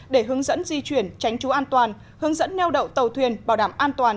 để hướng dẫn di chuyển tránh trú an toàn hướng dẫn neo đậu tàu thuyền bảo đảm an toàn